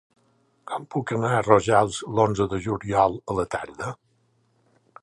Com puc anar a Rojals l'onze de juliol a la tarda?